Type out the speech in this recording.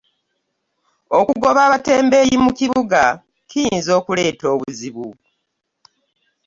Okugoba abatembeeyi mu kibuga kiyinza okuleeta obuzibu.